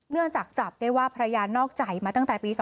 จากจับได้ว่าภรรยานอกใจมาตั้งแต่ปี๒๕๖